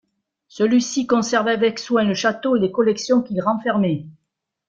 Celui-ci conserve avec soin le château et les collections qu'il renfermait.